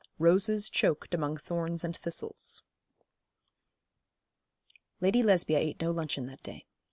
'ROSES CHOKED AMONG THORNS AND THISTLES.' Lady Lesbia ate no luncheon that day.